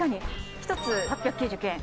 １つ８９９円。